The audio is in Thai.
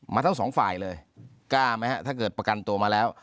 ทั้งสองฝ่ายเลยกล้าไหมฮะถ้าเกิดประกันตัวมาแล้ว